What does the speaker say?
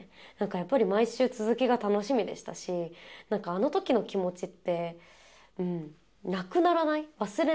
やっぱり毎週続きが楽しみでしたしあの時の気持ちってなくならない忘れない